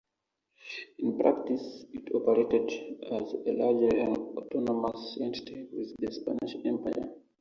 In practice it operated as a largely autonomous entity within the Spanish Empire.